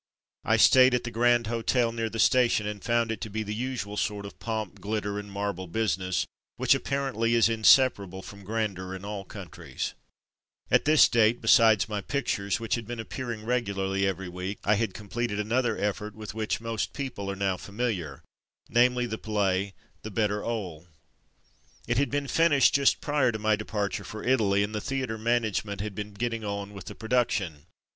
I stayed at the Grand Hotel near the station, and found it to be the usual sort of pomp, glitter, and marble business, which apparently is inseparable from grandeur in all countries. 250 Return to London 251 At this date, besides my pictures, which had been appearing reguliarly every week, I had completed another effort with which most people are now familiar, namely the play, The Better 'Ole, It had been finished just prior to my departure for Italy, and the theatre manage ment had been getting on with the produc tion.